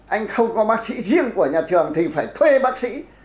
anh không có bác sĩ riêng của nhà trường thì phải thuê bác sĩ